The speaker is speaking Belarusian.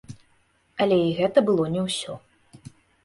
Але і гэта было не ўсё.